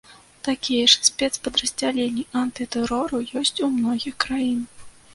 Такія ж спецпадраздзяленні антытэрору ёсць у многіх краін.